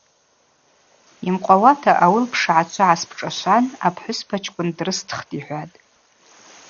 Йымкъвауата ауи лпшгӏачва гӏаспшӏашван, апхӏвыспачкӏвын дрыстхтӏ, – йхӏватӏ.